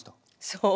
そう？